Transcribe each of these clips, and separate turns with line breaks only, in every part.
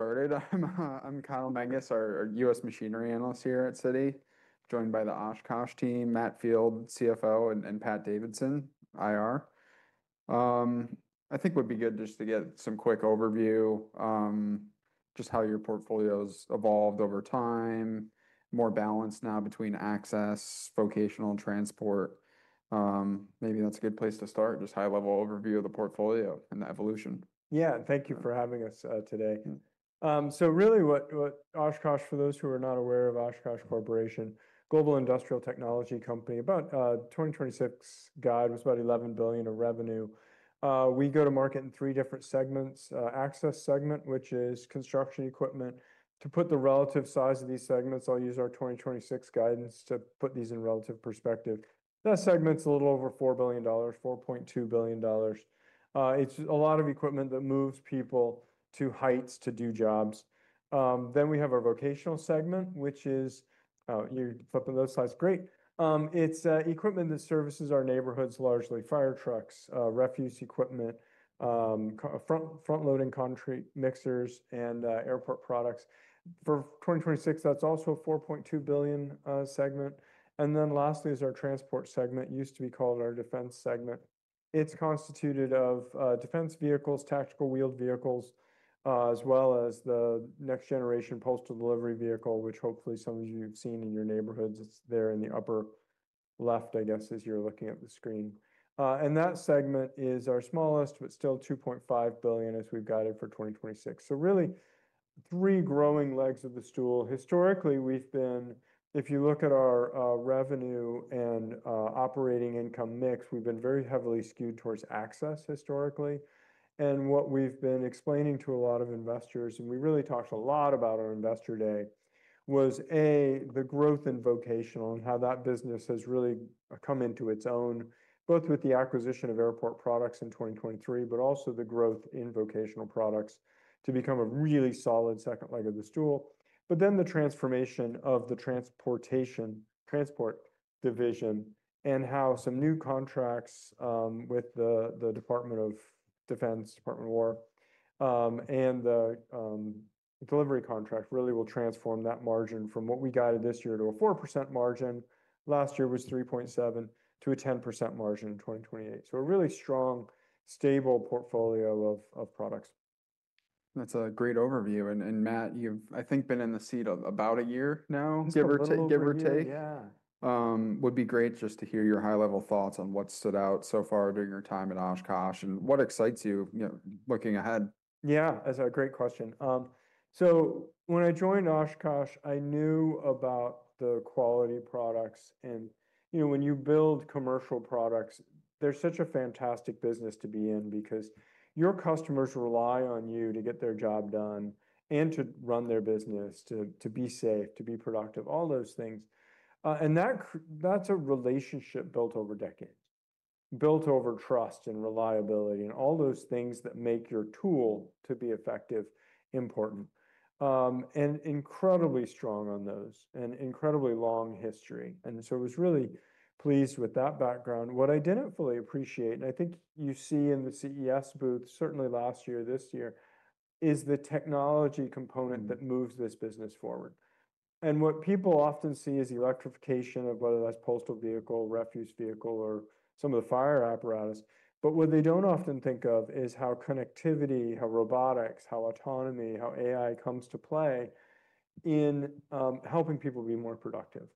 Started. I'm Kyle Menges, our US Machinery Analyst here at Citi, joined by the Oshkosh team, Matt Field, CFO, and Pat Davidson, IR. I think would be good just to get some quick overview, just how your portfolio's evolved over time, more balanced now between Access, Vocational, and Transport. Maybe that's a good place to start, just high-level overview of the portfolio and the evolution.
Yeah, thank you for having us, today.
Mm.
So really what Oshkosh, for those who are not aware of Oshkosh Corporation, global industrial technology company, about 2026 guidance was about $11 billion of revenue. We go to market in three different segments. Access segment, which is construction equipment. To put the relative size of these segments, I'll use our 2026 guidance to put these in relative perspective. That segment's a little over $4 billion, $4.2 billion. It's a lot of equipment that moves people to heights to do jobs. Then we have our vocational segment, which is... Oh, you're flipping those slides, great! It's equipment that services our neighborhoods, largely fire trucks, refuse equipment, front loading concrete mixers, and airport products. For 2026, that's also a $4.2 billion segment. Lastly is our transport segment, used to be called our defense segment. It's constituted of defense vehicles, tactical wheeled vehicles, as well as the Next Generation Delivery Vehicle, which hopefully some of you've seen in your neighborhoods. It's there in the upper left, I guess, as you're looking at the screen. That segment is our smallest, but still $2.5 billion as we've guided for 2026. Really, three growing legs of the stool. Historically, we've been... if you look at our revenue and operating income mix, we've been very heavily skewed towards access historically. What we've been explaining to a lot of investors, and we really talked a lot about our Investor Day, was, A, the growth in vocational and how that business has really come into its own, both with the acquisition of airport products in 2023, but also the growth in vocational products to become a really solid second leg of the stool. But then the transformation of the transportation, transport division, and how some new contracts with the Department of Defense, Department of War, and the delivery contract really will transform that margin from what we guided this year to a 4% margin, last year was 3.7%, to a 10% margin in 2028. So a really strong, stable portfolio of products.
That's a great overview. And Matt, you've, I think, been in the seat of about a year now-
Just a little over a year....
give or take?
Yeah.
Would be great just to hear your high-level thoughts on what stood out so far during your time at Oshkosh, and what excites you, you know, looking ahead?
Yeah, that's a great question. So when I joined Oshkosh, I knew about the quality of products. And, you know, when you build commercial products, they're such a fantastic business to be in because your customers rely on you to get their job done and to run their business, to, to be safe, to be productive, all those things. That's a relationship built over decades, built over trust and reliability, and all those things that make your tool to be effective, important. And incredibly strong on those, and incredibly long history, and so was really pleased with that background. What I didn't fully appreciate, and I think you see in the CES booth, certainly last year, this year, is the technology component that moves this business forward. And what people often see is the electrification of whether that's postal vehicle, refuse vehicle, or some of the fire apparatus, but what they don't often think of is how connectivity, how robotics, how autonomy, how AI comes to play in, helping people be more productive.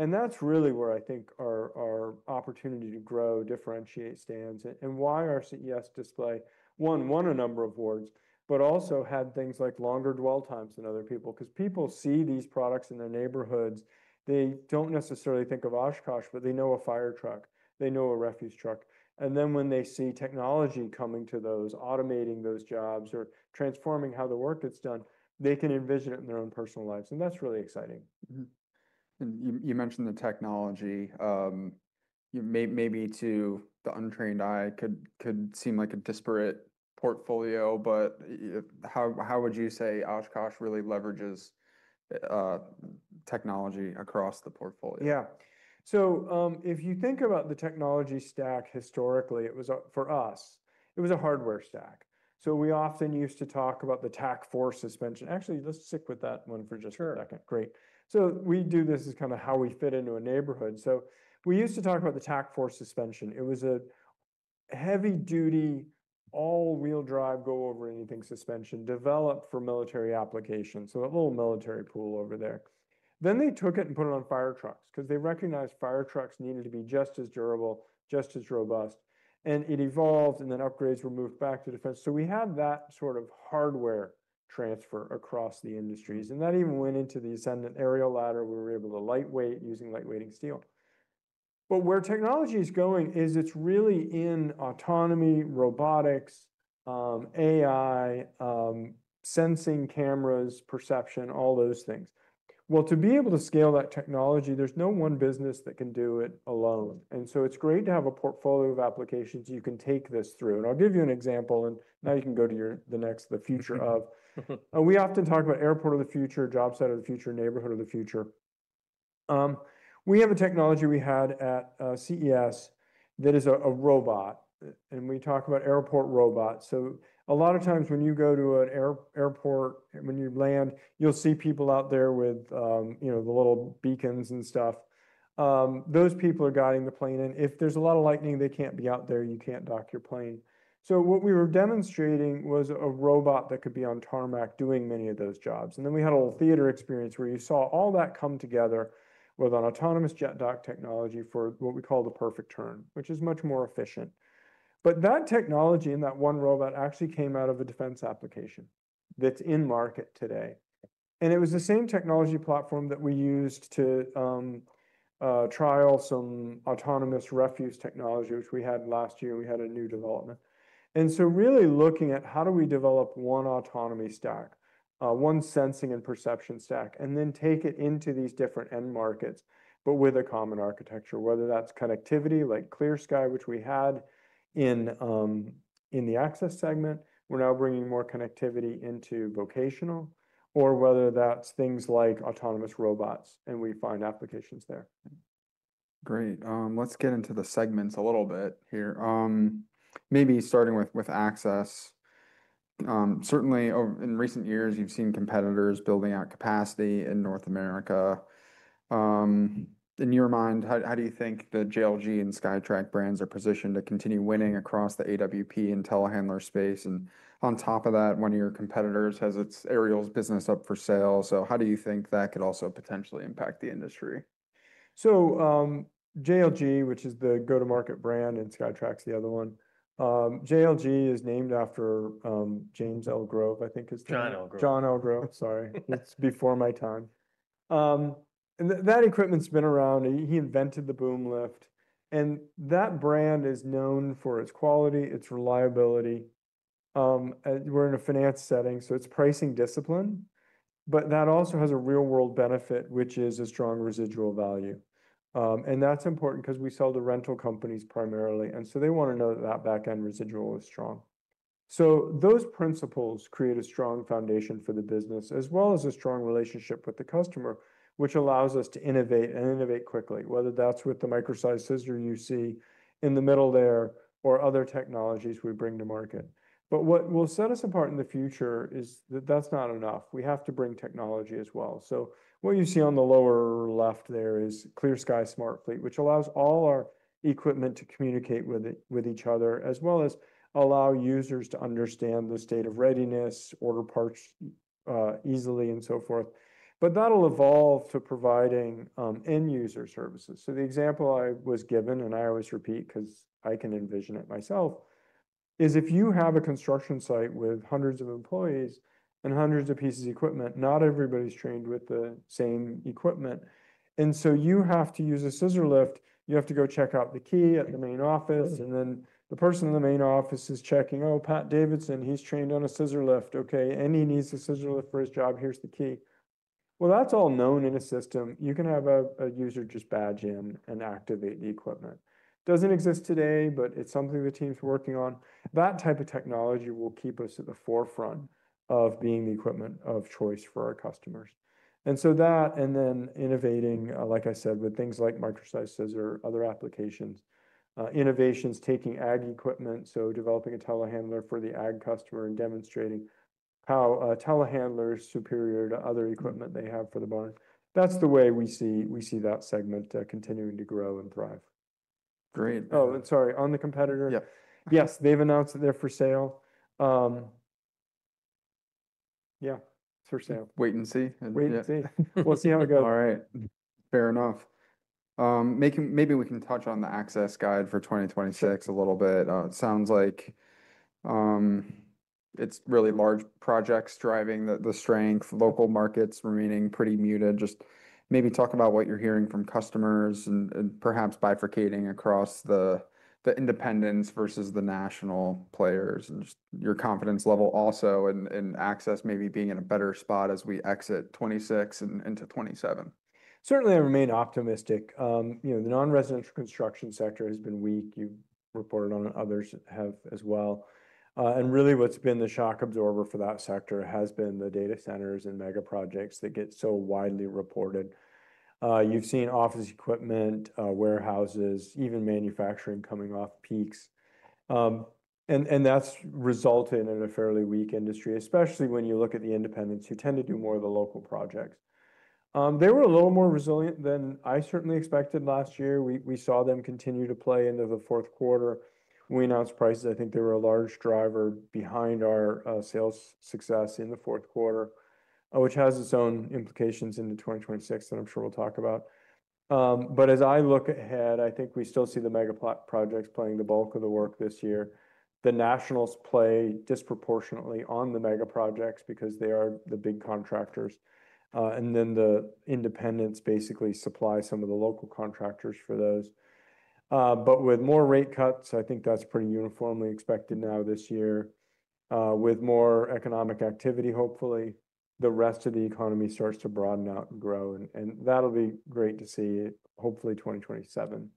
And that's really where I think our, our opportunity to grow, differentiate, stands, and, and why our CES display, one, won a number of awards, but also had things like longer dwell times than other people. 'Cause people see these products in their neighborhoods. They don't necessarily think of Oshkosh, but they know a fire truck, they know a refuse truck, and then when they see technology coming to those, automating those jobs or transforming how the work gets done, they can envision it in their own personal lives, and that's really exciting.
Mm-hmm. And you mentioned the technology. Maybe to the untrained eye, could seem like a disparate portfolio, but how would you say Oshkosh really leverages technology across the portfolio?
Yeah. So, if you think about the technology stack historically, it was a—for us, it was a hardware stack. So we often used to talk about the TAK-4 suspension. Actually, let's stick with that one for just a second.
Sure.
Great. So we do this as kind of how we fit into a neighborhood. We used to talk about the TAK-4 suspension. It was a heavy-duty, all-wheel drive, go-over-anything suspension developed for military applications, so a little military pull over there. Then they took it and put it on fire trucks, 'cause they recognized fire trucks needed to be just as durable, just as robust, and it evolved, and then upgrades were moved back to defense. We had that sort of hardware transfer across the industries, and that even went into the Ascendant Aerial Ladder, where we were able to lightweight using lightweighting steel. But where technology is going is it's really in autonomy, robotics, AI, sensing, cameras, perception, all those things. Well, to be able to scale that technology, there's no one business that can do it alone, so it's great to have a portfolio of applications you can take this through. I'll give you an example. Now you can go to your, the next, the future of... We often talk about airport of the future, job site of the future, neighborhood of the future. We have a technology we had at CES that is a robot, and we talk about airport robots. A lot of times when you go to an airport, when you land, you'll see people out there with, you know, the little beacons and stuff. Those people are guiding the plane in. If there's a lot of lightning, they can't be out there, you can't dock your plane. So what we were demonstrating was a robot that could be on tarmac doing many of those jobs. And then we had a little theater experience where you saw all that come together with an autonomous jet dock technology for what we call the perfect turn, which is much more efficient. But that technology and that one robot actually came out of a defense application that's in market today. And it was the same technology platform that we used to trial some autonomous refuse technology, which we had last year, and we had a new development. And so really looking at how do we develop one autonomy stack, one sensing and perception stack, and then take it into these different end markets, but with a common architecture, whether that's connectivity like ClearSky, which we had in the Access segment. We're now bringing more connectivity into vocational, or whether that's things like autonomous robots, and we find applications there.
Great. Let's get into the segments a little bit here, maybe starting with access. Certainly over in recent years, you've seen competitors building out capacity in North America. In your mind, how do you think the JLG and SkyTrak brands are positioned to continue winning across the AWP and telehandler space? And on top of that, one of your competitors has its aerials business up for sale. So how do you think that could also potentially impact the industry?
So, JLG, which is the go-to-market brand, and SkyTrak's the other one. JLG is named after John L. Grove, I think his-
John L. Grove.
John L. Grove, sorry. It's before my time. And that equipment's been around, and he invented the boom lift, and that brand is known for its quality, its reliability. And we're in a finance setting, so it's pricing discipline, but that also has a real-world benefit, which is a strong residual value. And that's important 'cause we sell to rental companies primarily, and so they want to know that that back-end residual is strong. So those principles create a strong foundation for the business, as well as a strong relationship with the customer, which allows us to innovate and innovate quickly, whether that's with the micro-sized scissor you see in the middle there or other technologies we bring to market. But what will set us apart in the future is that that's not enough. We have to bring technology as well. So what you see on the lower left there is ClearSky Smart Fleet, which allows all our equipment to communicate with each other, as well as allow users to understand the state of readiness, order parts, easily, and so forth. But that'll evolve to providing end-user services. So the example I was given, and I always repeat, 'cause I can envision it myself, is if you have a construction site with hundreds of employees and hundreds of pieces of equipment, not everybody's trained with the same equipment. And so you have to use a scissor lift, you have to go check out the key at the main office, and then the person in the main office is checking, "Oh, Pat Davidson, he's trained on a scissor lift. Okay, and he needs a scissor lift for his job. Here's the key." Well, that's all known in a system. You can have a user just badge in and activate the equipment. Doesn't exist today, but it's something the team's working on. That type of technology will keep us at the forefront of being the equipment of choice for our customers. And so that, and then innovating, like I said, with things like micro-sized scissor or other applications. Innovations, taking ag equipment, so developing a telehandler for the ag customer and demonstrating how a telehandler is superior to other equipment they have for the barn. That's the way we see, we see that segment, continuing to grow and thrive.
Great.
Oh, and sorry, on the competitor?
Yeah.
Yes, they've announced that they're for sale. Yeah, it's for sale.
Wait and see, and yeah.
Wait and see. We'll see how it goes.
All right. Fair enough. Maybe, maybe we can touch on the access guidance for 2026 a little bit. It sounds like it's really large projects driving the strength, local markets remaining pretty muted. Just maybe talk about what you're hearing from customers and perhaps bifurcating across the independents versus the national players, and just your confidence level also, and access maybe being in a better spot as we exit 2026 and into 2027.
Certainly, I remain optimistic. You know, the non-residential construction sector has been weak. You've reported on it, others have as well. And really, what's been the shock absorber for that sector has been the data centers and mega projects that get so widely reported. You've seen office equipment, warehouses, even manufacturing coming off peaks. And that's resulted in a fairly weak industry, especially when you look at the independents, who tend to do more of the local projects. They were a little more resilient than I certainly expected last year. We saw them continue to play into the fourth quarter. When we announced prices, I think they were a large driver behind our sales success in the fourth quarter, which has its own implications into 2026 that I'm sure we'll talk about. But as I look ahead, I think we still see the mega projects playing the bulk of the work this year. The nationals play disproportionately on the mega projects because they are the big contractors. And then the independents basically supply some of the local contractors for those. But with more rate cuts, I think that's pretty uniformly expected now this year. With more economic activity, hopefully, the rest of the economy starts to broaden out and grow, and, and that'll be great to see, hopefully, 2027...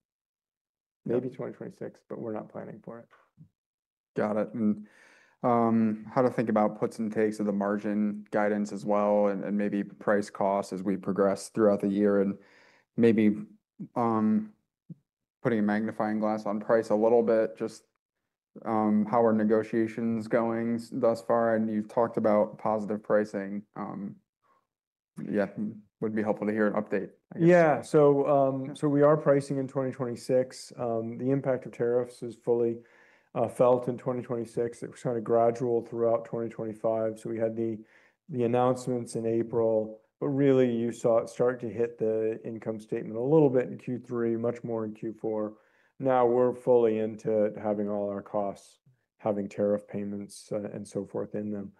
maybe 2026, but we're not planning for it.
Got it. And how to think about puts and takes of the margin guidance as well, and maybe price costs as we progress throughout the year, and maybe putting a magnifying glass on price a little bit, just how are negotiations going thus far? And you've talked about positive pricing, yeah, would be helpful to hear an update, I guess.
Yeah. So, so we are pricing in 2026. The impact of tariffs is fully felt in 2026. It was kind of gradual throughout 2025. So we had the announcements in April, but really you saw it start to hit the income statement a little bit in Q3, much more in Q4. Now we're fully into having all our costs, having tariff payments, and so forth in them.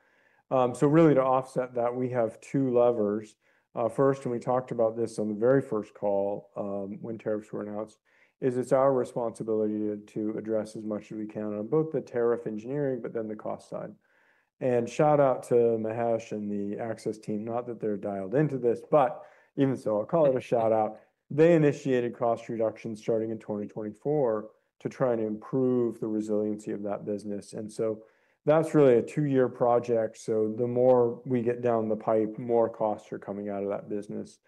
So really to offset that, we have two levers. First, and we talked about this on the very first call, when tariffs were announced, it's our responsibility to address as much as we can on both the tariff engineering, but then the cost side. And shout out to Mahesh and the access team, not that they're dialed into this, but even so, I'll call it a shout out. They initiated cost reductions starting in 2024 to try and improve the resiliency of that business, and so that's really a two-year project. So the more we get down the pipe, more costs are coming out of that business.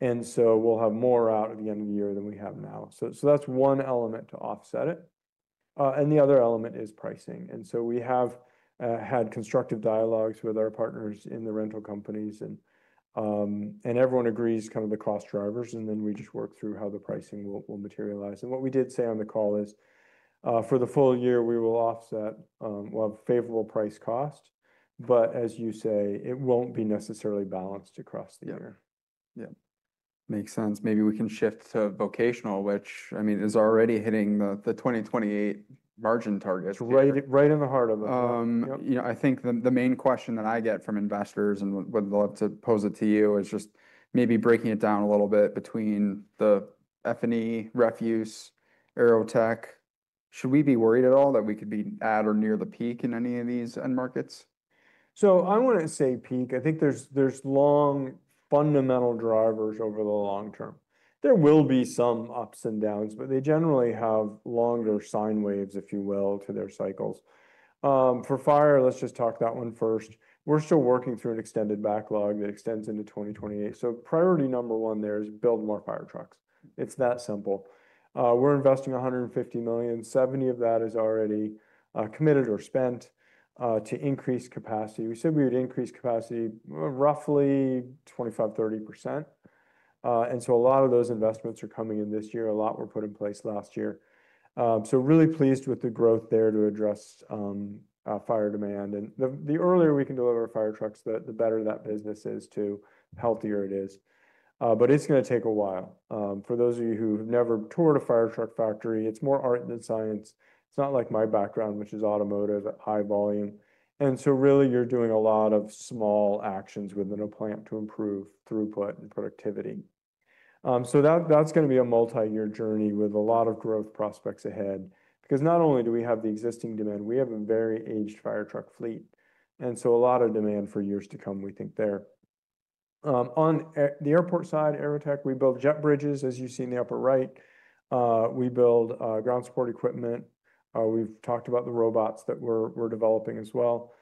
And so we'll have more out at the end of the year than we have now. So that's one element to offset it, and the other element is pricing. And so we have had constructive dialogues with our partners in the rental companies, and everyone agrees kind of the cost drivers, and then we just work through how the pricing will materialize. And what we did say on the call is, for the full year, we will offset, we'll have favorable price cost, but as you say, it won't be necessarily balanced across the year.
Yeah. Yeah. Makes sense. Maybe we can shift to vocational, which, I mean, is already hitting the 2028 margin target.
Right, right in the heart of it.
Um-
Yep.
You know, I think the main question that I get from investors, and would love to pose it to you, is just maybe breaking it down a little bit between the F&E, Refuse, AeroTech. Should we be worried at all that we could be at or near the peak in any of these end markets?
So I wouldn't say peak. I think there's long fundamental drivers over the long term. There will be some ups and downs, but they generally have longer sine waves, if you will, to their cycles. For fire, let's just talk that one first. We're still working through an extended backlog that extends into 2028. So priority number one there is build more fire trucks. It's that simple. We're investing $150 million, 70 of that is already committed or spent to increase capacity. We said we would increase capacity roughly 25%-30%. And so a lot of those investments are coming in this year. A lot were put in place last year. So really pleased with the growth there to address fire demand. And the earlier we can deliver fire trucks, the better that business is, too, the healthier it is. But it's gonna take a while. For those of you who've never toured a fire truck factory, it's more art than science. It's not like my background, which is automotive at high volume. And so really, you're doing a lot of small actions within a plant to improve throughput and productivity. So that's gonna be a multi-year journey with a lot of growth prospects ahead, because not only do we have the existing demand, we have a very aged fire truck fleet, and so a lot of demand for years to come, we think, there. On the airport side, AeroTech, we build jet bridges, as you see in the upper right. We build ground support equipment. We've talked about the robots that we're developing as well.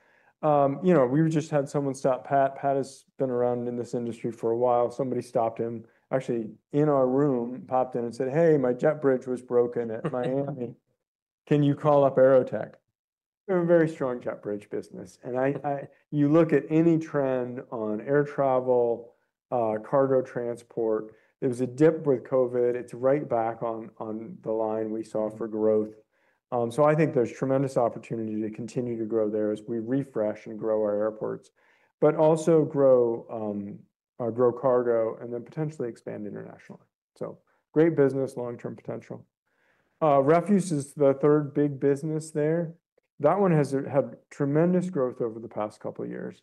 You know, we just had someone stop Pat. Pat has been around in this industry for a while. Somebody stopped him, actually, in our room, popped in and said: "Hey, my jet bridge was broken at Miami." "Can you call up AeroTech?" We have a very strong jet bridge business. And you look at any trend on air travel, cargo transport, there was a dip with COVID. It's right back on the line we saw for growth. So I think there's tremendous opportunity to continue to grow there as we refresh and grow our airports, but also grow cargo and then potentially expand internationally. So great business, long-term potential. Refuse is the third big business there. That one has had tremendous growth over the past couple of years.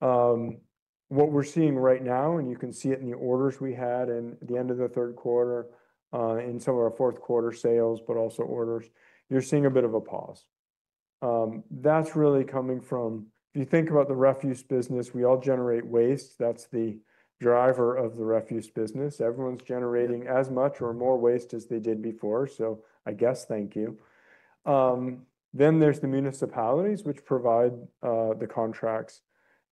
What we're seeing right now, and you can see it in the orders we had in the end of the third quarter, in some of our fourth quarter sales, but also orders, you're seeing a bit of a pause. That's really coming from... If you think about the refuse business, we all generate waste. That's the driver of the refuse business. Everyone's generating as much or more waste as they did before, so I guess, thank you. Then there's the municipalities, which provide the contracts,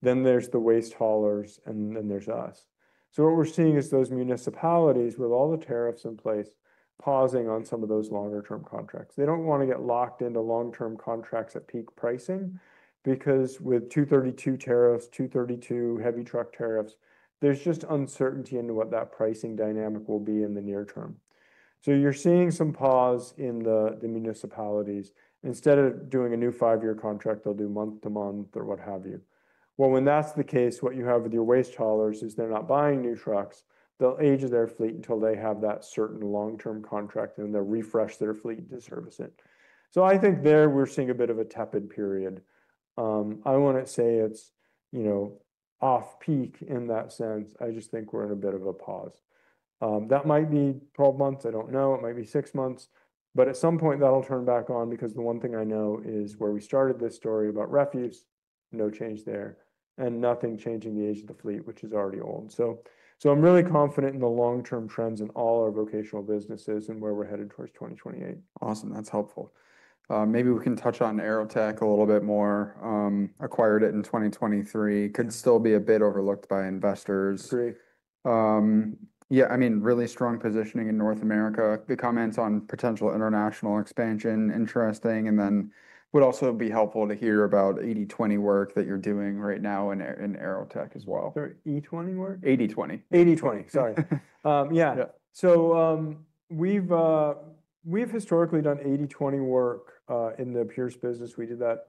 then there's the waste haulers, and then there's us. So what we're seeing is those municipalities with all the tariffs in place, pausing on some of those longer term contracts. They don't wanna get locked into long-term contracts at peak pricing, because with 232 tariffs, 232 heavy truck tariffs, there's just uncertainty into what that pricing dynamic will be in the near term. So you're seeing some pause in the, the municipalities. Instead of doing a new five-year contract, they'll do month-to-month or what have you. Well, when that's the case, what you have with your waste haulers is they're not buying new trucks. They'll age their fleet until they have that certain long-term contract, and they'll refresh their fleet to service it. So I think there we're seeing a bit of a tepid period. I wouldn't say it's, you know, off-peak in that sense. I just think we're in a bit of a pause. That might be 12 months, I don't know. It might be six months, but at some point, that'll turn back on, because the one thing I know is where we started this story about refuse, no change there, and nothing changing the age of the fleet, which is already old. So, so I'm really confident in the long-term trends in all our vocational businesses and where we're headed towards 2028.
Awesome. That's helpful. Maybe we can touch on AeroTech a little bit more. Acquired it in 2023. Could still be a bit overlooked by investors.
Agree.
Yeah, I mean, really strong positioning in North America. The comments on potential international expansion, interesting, and then would also be helpful to hear about 80/20 work that you're doing right now in AeroTech as well.
Is there 80/20 work?
Eighty/twenty.
80/20, sorry. Yeah.
Yeah.
We've historically done 80/20 work in the Pierce business. We did that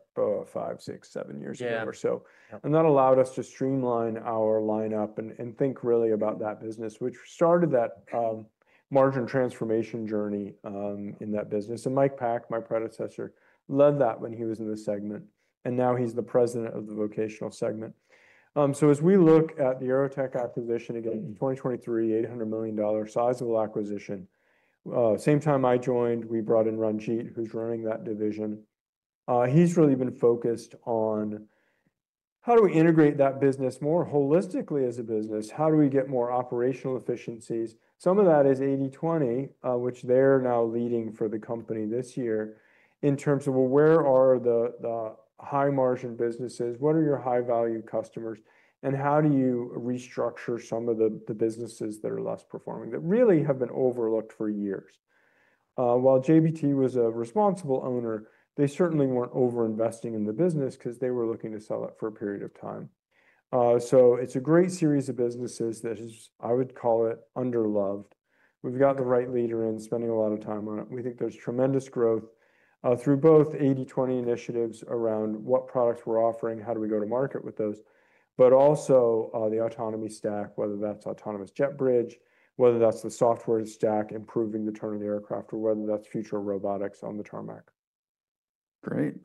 five, six, seven years ago-
Yeah
-or so.
Yep.
That allowed us to streamline our lineup and think really about that business, which started that margin transformation journey in that business. And Mike Pack, my predecessor, led that when he was in the segment, and now he's the president of the vocational segment. So as we look at the AeroTech acquisition, again, in 2023, $800 million sizable acquisition, same time I joined, we brought in Ranjeet, who's running that division. He's really been focused on: How do we integrate that business more holistically as a business? How do we get more operational efficiencies? Some of that is 80/20, which they're now leading for the company this year, in terms of, well, where are the high-margin businesses? What are your high-value customers, and how do you restructure some of the, the businesses that are less performing, that really have been overlooked for years? While JBT was a responsible owner, they certainly weren't over-investing in the business 'cause they were looking to sell it for a period of time. So it's a great series of businesses that is, I would call it, underloved. We've got the right leader in, spending a lot of time on it. We think there's tremendous growth, through both 80/20 initiatives around what products we're offering, how do we go to market with those, but also, the autonomy stack, whether that's autonomous jet bridge, whether that's the software stack, improving the turn of the aircraft, or whether that's future robotics on the tarmac.
Great.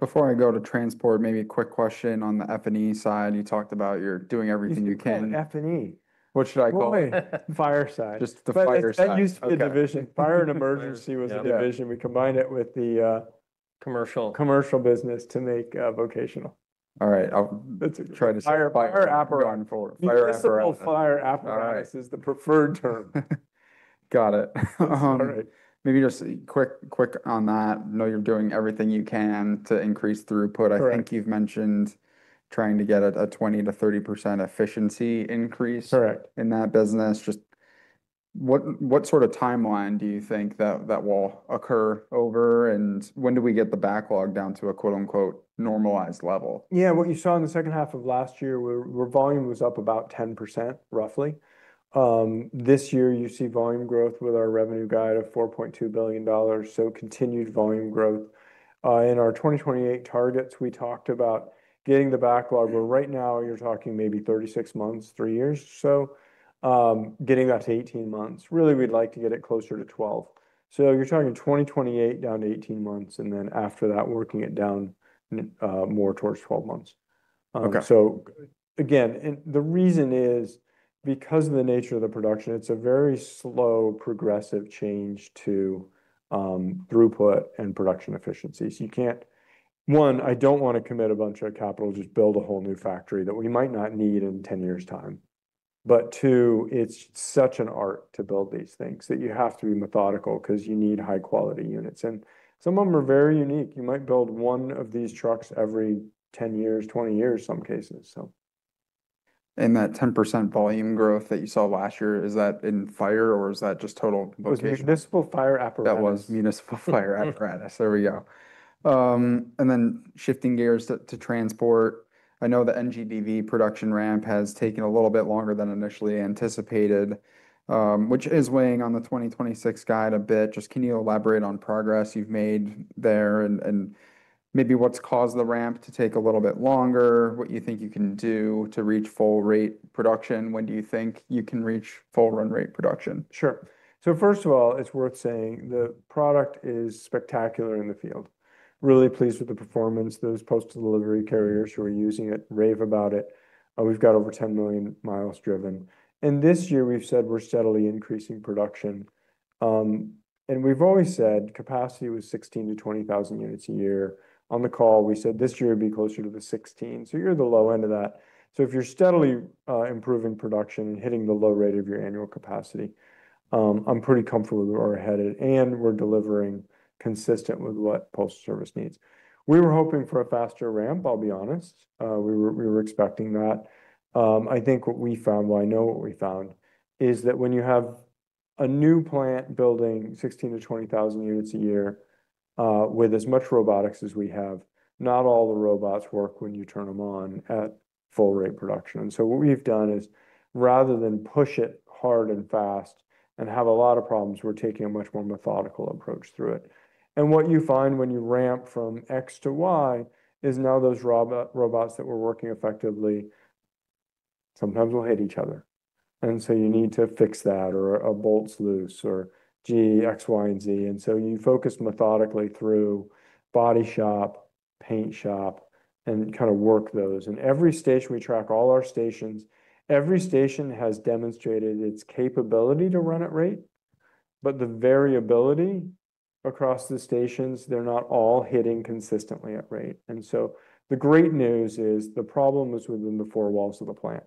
Before I go to transport, maybe a quick question on the F&E side. You talked about you're doing everything you can-
You said F&E.
What should I call it?
Well, fire side.
Just the fire side.
That used to be a division. Fire and Emergency was a division.
Yeah.
We combined it with the,
Commercial...
commercial business to make, vocational.
All right. I'll-
Let's-
-try to-
Fire, fire apparatus.
Going forward. Fire apparatus.
Municipal Fire Apparatus-
All right
-is the preferred term.
Got it.
All right.
Maybe just quick, quick on that. Know you're doing everything you can to increase throughput.
Correct.
I think you've mentioned trying to get a 20%-30% efficiency increase-
Correct
In that business. Just what sort of timeline do you think that will occur over, and when do we get the backlog down to a, quote-unquote, "normalized level?
Yeah, what you saw in the second half of last year, where volume was up about 10%, roughly. This year, you see volume growth with our revenue guide of $4.2 billion, so continued volume growth. In our 2028 targets, we talked about getting the backlog, where right now you're talking maybe 36 months, three years or so, getting that to 18 months. Really, we'd like to get it closer to 12. So you're talking 2028 down to 18 months, and then after that, working it down more towards 12 months.
Okay.
So again, and the reason is because of the nature of the production, it's a very slow, progressive change to throughput and production efficiency. So you can't... One, I don't want to commit a bunch of capital to just build a whole new factory that we might not need in 10 years' time. But two, it's such an art to build these things, that you have to be methodical 'cause you need high-quality units, and some of them are very unique. You might build one of these trucks every 10 years, 20 years, some cases, so.
That 10% volume growth that you saw last year, is that in fire, or is that just total location?
It was municipal fire apparatus.
That was municipal fire apparatus. There we go. And then shifting gears to transport, I know the NGDV production ramp has taken a little bit longer than initially anticipated, which is weighing on the 2026 guide a bit. Just can you elaborate on progress you've made there, and maybe what's caused the ramp to take a little bit longer? What you think you can do to reach full rate production? When do you think you can reach full run rate production?
Sure. First of all, it's worth saying the product is spectacular in the field. Really pleased with the performance. Those post delivery carriers who are using it rave about it. We've got over 10 million miles driven. This year, we've said we're steadily increasing production. We've always said capacity was 16,000-20,000 units a year. On the call, we said this year it'd be closer to the 16,000, so you're the low end of that. If you're steadily improving production, hitting the low rate of your annual capacity, I'm pretty comfortable with where we're headed, and we're delivering consistent with what postal service needs. We were hoping for a faster ramp, I'll be honest. We were expecting that. I think what we found, well, I know what we found, is that when you have a new plant building 16,000-20,000 units a year, with as much robotics as we have, not all the robots work when you turn them on at full rate production. So what we've done is, rather than push it hard and fast and have a lot of problems, we're taking a much more methodical approach through it. And what you find when you ramp from X to Y is now those robots that were working effectively sometimes will hit each other. And so you need to fix that, or a bolt's loose, or G, X, Y, and Z. And so you focus methodically through body shop, paint shop, and kind of work those. In every station, we track all our stations. Every station has demonstrated its capability to run at rate... but the variability across the stations, they're not all hitting consistently at rate. The great news is the problem was within the four walls of the plant.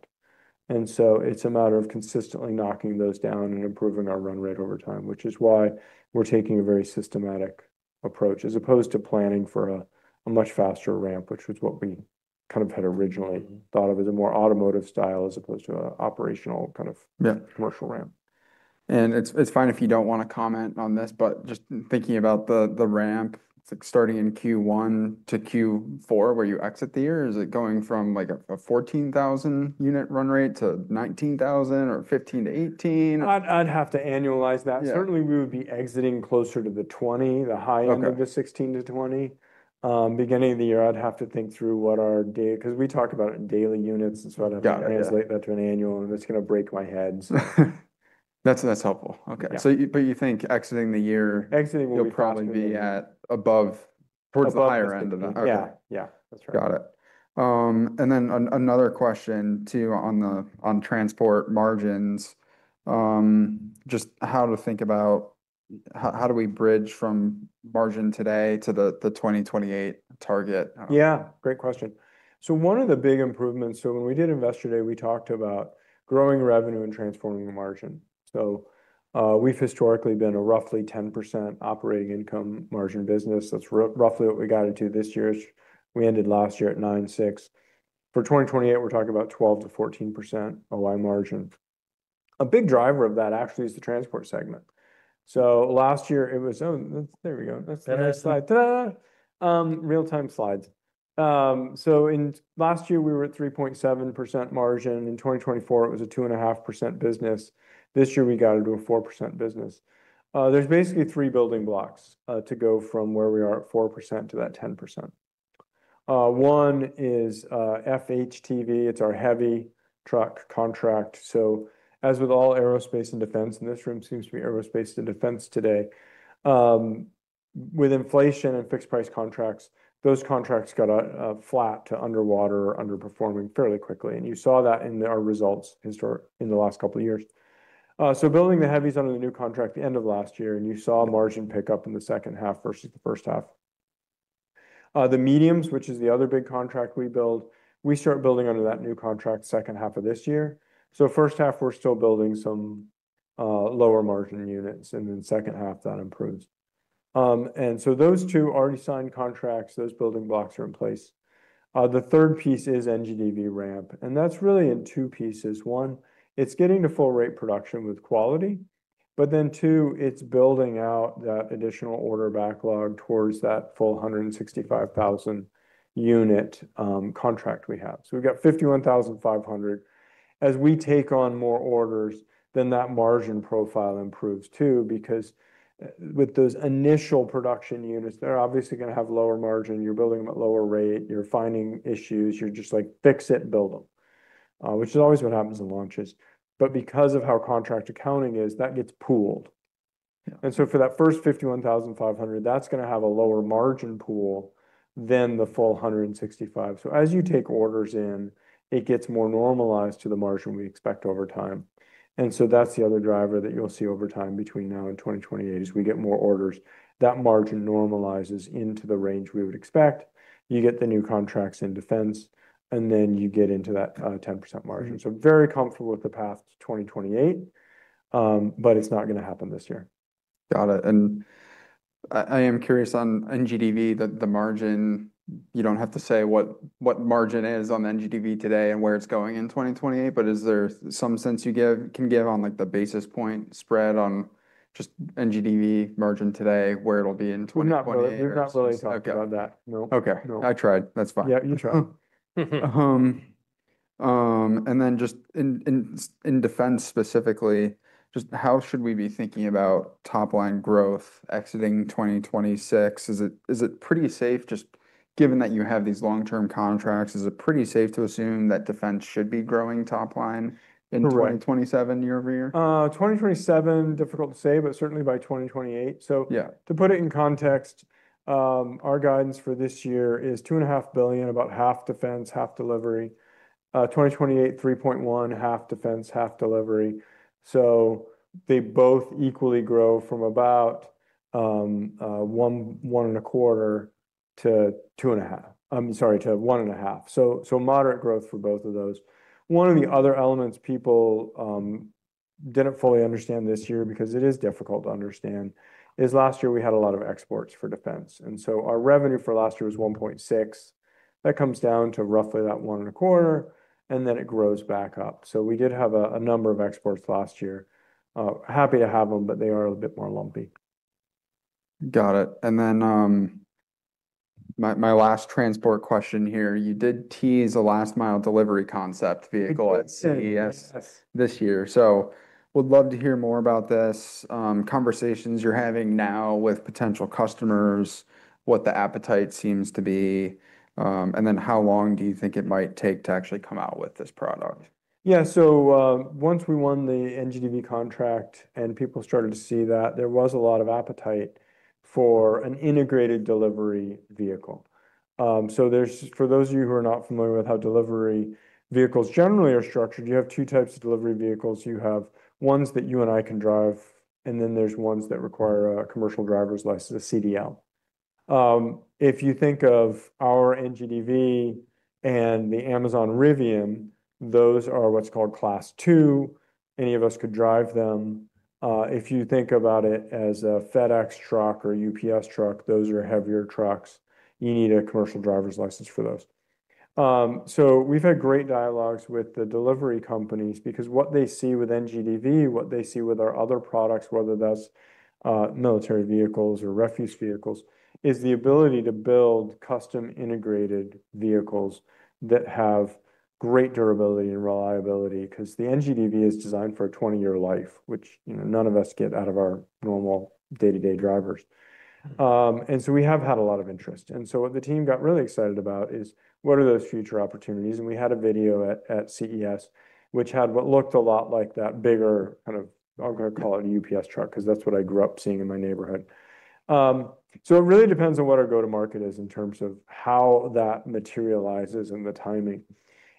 It's a matter of consistently knocking those down and improving our run rate over time, which is why we're taking a very systematic approach, as opposed to planning for a, a much faster ramp, which was what we kind of had originally-
Mm-hmm.
thought of as a more automotive style, as opposed to a operational kind of
Yeah
- commercial ramp.
It's fine if you don't want to comment on this, but just thinking about the ramp, it's like starting in Q1 to Q4, where you exit the year. Is it going from, like, a 14,000-unit run rate to 19,000, or 15-18?
I'd have to annualize that.
Yeah.
Certainly, we would be exiting closer to the 20, the high end-
Okay
- of the 16-20. Beginning of the year, I'd have to think through what our 'cause we talked about it in daily units and sort of-
Got it. Yeah.
Translate that to an annual, and it's gonna break my head, so.
That's helpful. Okay.
Yeah.
So, but you think exiting the year-
Exiting will be-
You'll probably be at above, towards the higher end of the-
Above, yeah. Yeah, that's right.
Got it. And then another question, too, on transport margins. Just how to think about how do we bridge from margin today to the 2028 target?
Yeah, great question. So one of the big improvements, so when we did Investor Day, we talked about growing revenue and transforming the margin. So, we've historically been a roughly 10% operating income margin business. That's roughly what we got into this year. We ended last year at 9.6%. For 2028, we're talking about 12%-14% ROI margin. A big driver of that actually is the transport segment. So last year, it was. That's the next slide. Ta-da! real-time slides. so in last year, we were at 3.7% margin. In 2024, it was a 2.5% business. This year, we got it to a 4% business. There's basically three building blocks to go from where we are at 4% to that 10%. One is, FHTV. It's our heavy truck contract. So as with all aerospace and defense, and this room seems to be aerospace and defense today, with inflation and fixed price contracts, those contracts got, flat to underwater, underperforming fairly quickly, and you saw that in our results histor- in the last couple of years. So building the heavies under the new contract the end of last year, and you saw margin pick up in the second half versus the first half. The mediums, which is the other big contract we build, we start building under that new contract second half of this year. So first half, we're still building some, lower margin units, and then second half, that improves. And so those two already signed contracts, those building blocks are in place. The third piece is NGDV ramp, and that's really in two pieces. One, it's getting to full rate production with quality, but then, two, it's building out that additional order backlog towards that full 165,000-unit contract we have. So we've got 51,500. As we take on more orders, then that margin profile improves, too, because, with those initial production units, they're obviously gonna have lower margin. You're building them at lower rate, you're finding issues, you're just like, "Fix it, build them." Which is always what happens in launches. But because of how contract accounting is, that gets pooled.
Yeah.
For that first 51,500, that's gonna have a lower margin pool than the full 165,000. So as you take orders in, it gets more normalized to the margin we expect over time. And so that's the other driver that you'll see over time between now and 2028. As we get more orders, that margin normalizes into the range we would expect. You get the new contracts in defense, and then you get into that 10% margin.
Mm-hmm.
Very comfortable with the path to 2028, but it's not gonna happen this year.
Got it, and I am curious on NGDV, the margin. You don't have to say what margin is on NGDV today and where it's going in 2028, but is there some sense you can give on, like, the basis point spread on just NGDV margin today, where it'll be in 2028?
We're not really, we're not really talking about that.
Okay.
No.
Okay.
No.
I tried. That's fine.
Yeah, you tried.
And then just in defense specifically, just how should we be thinking about top-line growth exiting 2026? Is it pretty safe, just given that you have these long-term contracts, is it pretty safe to assume that defense should be growing top line-
Correct.
in 2027 year-over-year?
2027, difficult to say, but certainly by 2028.
Yeah.
To put it in context, our guidance for this year is $2.5 billion, about half defense, half delivery. 2028, $3.1 billion, half defense, half delivery. They both equally grow from about $1.25 billion-$1.5 billion, so moderate growth for both of those. One of the other elements people didn't fully understand this year, because it is difficult to understand, is last year we had a lot of exports for defense, and so our revenue for last year was $1.6 billion. That comes down to roughly that $1.25 billion, and then it grows back up. We did have a number of exports last year. Happy to have them, but they are a bit more lumpy.
Got it, and then, my last transport question here: You did tease a last mile delivery concept vehicle at CES?
Yes
This year. So would love to hear more about this, conversations you're having now with potential customers, what the appetite seems to be, and then how long do you think it might take to actually come out with this product?
Yeah. Once we won the NGDV contract and people started to see that, there was a lot of appetite for an integrated delivery vehicle. There's, for those of you who are not familiar with how delivery vehicles generally are structured, you have two types of delivery vehicles. You have ones that you and I can drive, and then there's ones that require a commercial driver's license, a CDL. If you think of our NGDV and the Amazon-Rivian, those are what's called Class 2. Any of us could drive them. If you think about it as a FedEx truck or a UPS truck, those are heavier trucks. You need a commercial driver's license for those. We've had great dialogues with the delivery companies because what they see with NGDV, what they see with our other products, whether that's military vehicles or refuse vehicles, is the ability to build custom integrated vehicles that have great durability and reliability, 'cause the NGDV is designed for a 20-year life, which, you know, none of us get out of our normal day-to-day drivers. We have had a lot of interest. What the team got really excited about is what are those future opportunities? We had a video at CES, which had what looked a lot like that bigger kind of, I'm gonna call it a UPS truck, because that's what I grew up seeing in my neighborhood. It really depends on what our go-to-market is in terms of how that materializes and the timing.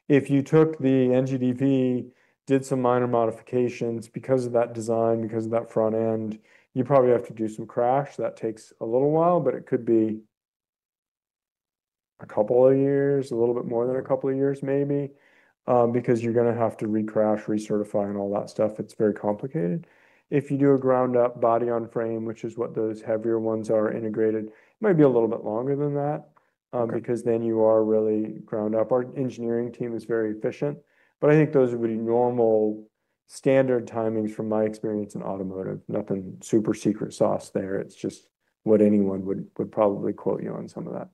If you took the NGDV, did some minor modifications because of that design, because of that front end, you probably have to do some crash. That takes a little while, but it could be a couple of years, a little bit more than a couple of years, maybe, because you're gonna have to re-crash, recertify, and all that stuff. It's very complicated. If you do a ground-up body on frame, which is what those heavier ones are integrated, it might be a little bit longer than that. Okay. Because then you are really ground up. Our engineering team is very efficient, but I think those would be normal, standard timings from my experience in automotive. Nothing super secret sauce there. It's just what anyone would probably quote you on some of that.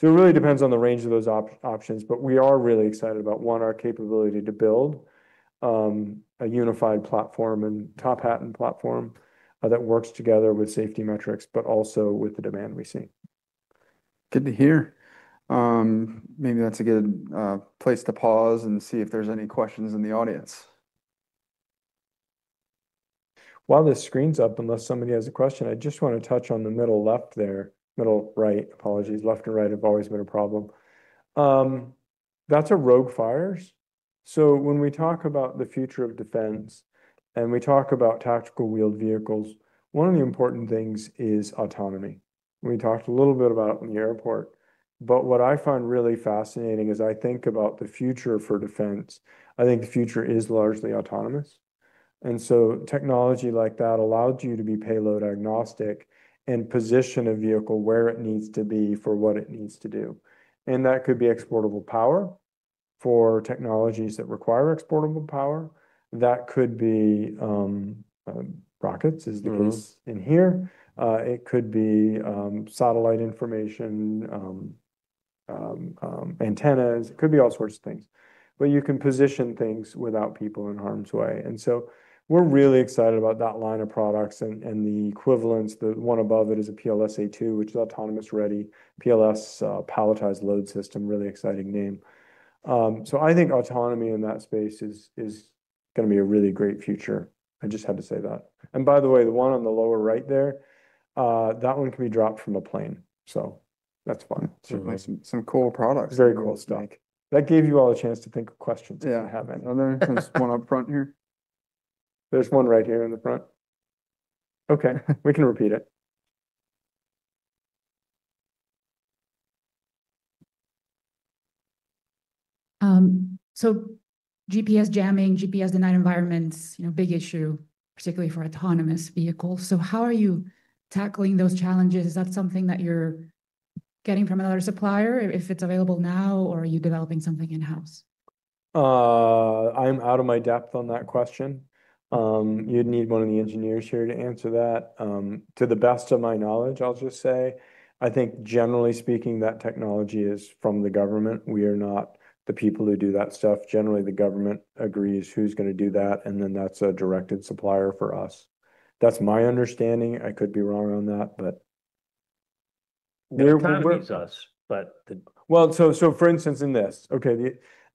So it really depends on the range of those options, but we are really excited about, one, our capability to build a unified platform and top hat and platform that works together with safety metrics, but also with the demand we see.
Good to hear. Maybe that's a good place to pause and see if there's any questions in the audience.
While this screen's up, unless somebody has a question, I just want to touch on the middle left there. Middle right, apologies. Left and right have always been a problem. That's a ROGUE Fires. So when we talk about the future of defense and we talk about tactical wheeled vehicles, one of the important things is autonomy. We talked a little bit about it in the airport, but what I find really fascinating as I think about the future for defense, I think the future is largely autonomous. And so technology like that allows you to be payload agnostic and position a vehicle where it needs to be for what it needs to do. And that could be exportable power for technologies that require exportable power. That could be, rockets, as the-
Mm-hmm...
case in here. It could be satellite information, antennas. It could be all sorts of things. But you can position things without people in harm's way. And so we're really excited about that line of products and the equivalents. The one above it is a PLS-A2, which is autonomous-ready, PLS, palletized load system. Really exciting name. So I think autonomy in that space is gonna be a really great future. I just had to say that. And by the way, the one on the lower right there, that one can be dropped from a plane, so that's fun.
Certainly some, some cool products.
Very cool stuff.
Thank you.
That gave you all a chance to think of questions-
Yeah.
-if you have any.
And there's one up front here.
There's one right here in the front. Okay, we can repeat it.
So GPS jamming, GPS-denied environments, you know, big issue, particularly for autonomous vehicles. So how are you tackling those challenges? Is that something that you're getting from another supplier, if it's available now, or are you developing something in-house?
I'm out of my depth on that question. You'd need one of the engineers here to answer that. To the best of my knowledge, I'll just say, I think generally speaking, that technology is from the government. We are not the people who do that stuff. Generally, the government agrees who's gonna do that, and then that's a directed supplier for us. That's my understanding. I could be wrong on that, but they're-
It kind of makes sense, but the-
Well, for instance,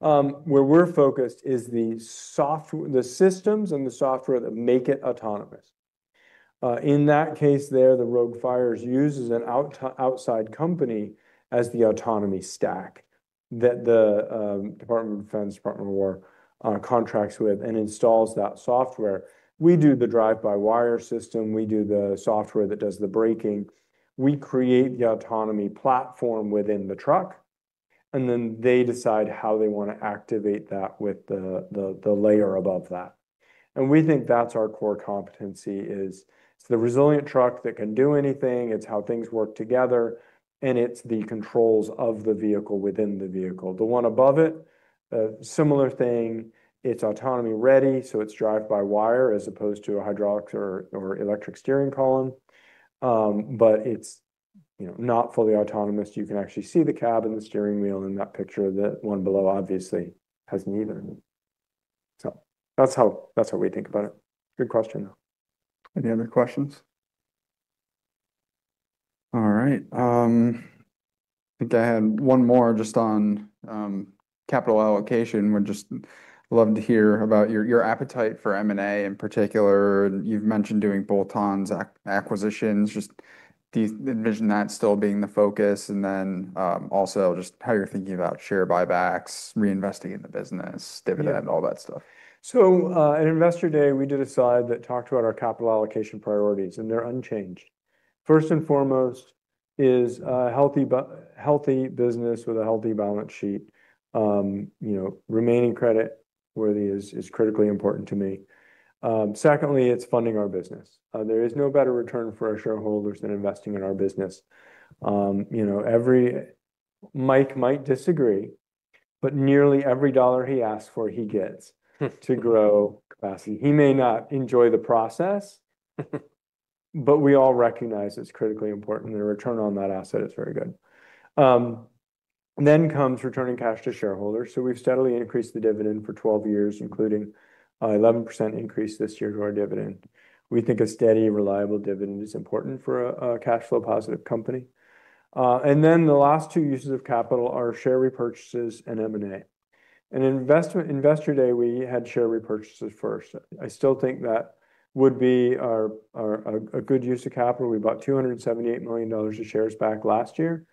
where we're focused is the systems and the software that make it autonomous. In that case there, the ROGUE Fires uses an outside company as the autonomy stack that the Department of Defense, Department of War, contracts with and installs that software. We do the drive-by-wire system. We do the software that does the braking. We create the autonomy platform within the truck, and then they decide how they wanna activate that with the layer above that. And we think that's our core competency, is it's the resilient truck that can do anything. It's how things work together, and it's the controls of the vehicle within the vehicle. The one above it, a similar thing, it's autonomy-ready, so it's drive-by-wire, as opposed to a hydraulic or electric steering column. But it's, you know, not fully autonomous. You can actually see the cab and the steering wheel in that picture. The one below, obviously, has neither. So that's how we think about it. Good question, though.
Any other questions? All right, I think I had one more just on... capital allocation, would just love to hear about your, your appetite for M&A in particular. You've mentioned doing bolt-ons acquisitions. Just do you envision that still being the focus? And then, also just how you're thinking about share buybacks, reinvesting in the business, dividend, all that stuff.
So, at Investor Day, we did a slide that talked about our capital allocation priorities, and they're unchanged. First and foremost is healthy business with a healthy balance sheet. You know, remaining creditworthy is critically important to me. Secondly, it's funding our business. There is no better return for our shareholders than investing in our business. You know, every Mike might disagree, but nearly every dollar he asks for, he gets to grow capacity. He may not enjoy the process, but we all recognize it's critically important, and the return on that asset is very good. Then comes returning cash to shareholders. So we've steadily increased the dividend for 12 years, including an 11% increase this year to our dividend. We think a steady, reliable dividend is important for a cash flow positive company. Then the last two uses of capital are share repurchases and M&A. In Investor Day, we had share repurchases first. I still think that would be our a good use of capital. We bought $278 million of shares back last year.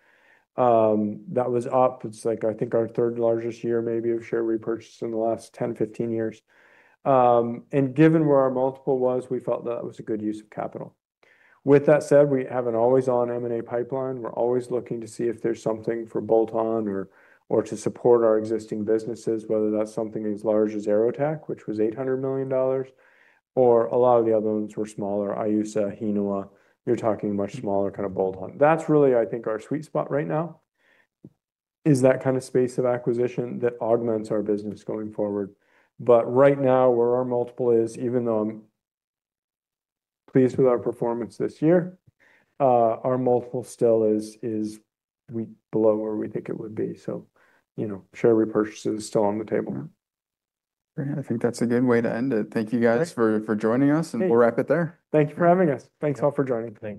That was up. It's like, I think, our third largest year, maybe, of share repurchases in the last 10, 15 years. And given where our multiple was, we felt that was a good use of capital. With that said, we have an always-on M&A pipeline. We're always looking to see if there's something for bolt-on or to support our existing businesses, whether that's something as large as AeroTech, which was $800 million, or a lot of the other ones were smaller. JBT, Hinowa, you're talking much smaller kind of bolt-on. That's really, I think, our sweet spot right now, is that kind of space of acquisition that augments our business going forward. But right now, where our multiple is, even though I'm pleased with our performance this year, our multiple still is below where we think it would be. So, you know, share repurchase is still on the table.
Great. I think that's a good way to end it. Thank you guys for, for joining us, and we'll wrap it there.
Thank you for having us. Thanks, all, for joining.
Thanks.